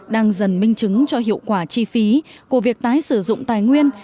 đang dần minh chứng cho hiệu quả chi phí của việc tái sử dụng tài nguyên